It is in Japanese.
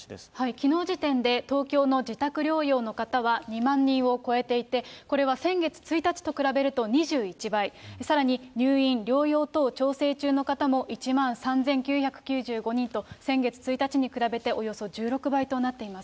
きのう時点で東京の自宅療養の方は２万人を超えていて、これは先月１日と比べると２１倍、さらに入院・療養等調整中の方も１万３９９５人と、先月１日に比べて、およそ１６倍となっています。